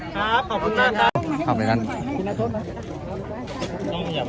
ครับขอบคุณประจักรนะครับ